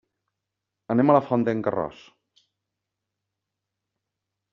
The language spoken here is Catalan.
Anem a la Font d'en Carròs.